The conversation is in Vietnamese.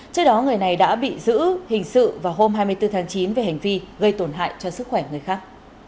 trước đó người này đã bị giữ hình sự vào hôm hai mươi bốn tháng chín về hành vi gây tổn hại cho sức khỏe người khác